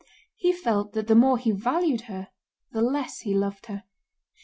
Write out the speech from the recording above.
He felt that the more he valued her the less he loved her.